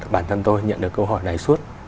bản thân tôi nhận được câu hỏi này suốt